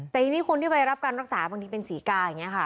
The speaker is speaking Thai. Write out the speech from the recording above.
แต่ทีนี้คนที่ไปรับการรักษาบางทีเป็นศรีกาอย่างนี้ค่ะ